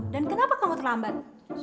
dan kenapa kamu terlambat